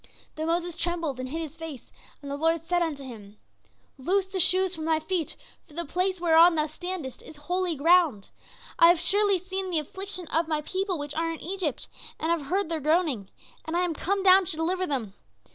"Then Moses trembled, and hid his face, and the Lord said unto him: "'Loose the shoes from thy feet, for the place whereon thou standest is holy ground. I have surely seen the affliction of my people which are in Egypt, and have heard their groaning, and I am come down to deliver them.